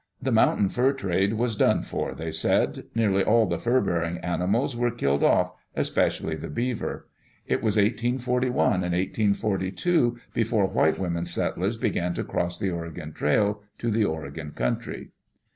The mountain fur trade was "done for," they said; nearly all the fur bearing animals were killed off, especially the beaver. It was 1841 and 1842 before white women settlers began to cross the Oregon trail to the Oregon country.